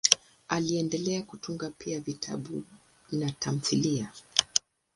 Aliendelea kutunga pia vitabu na tamthiliya.